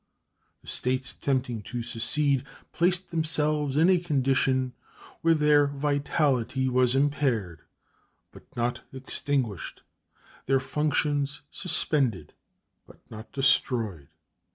The States attempting to secede placed themselves in a condition where their vitality was impaired, but not extinguished; their functions suspended, but not destroyed.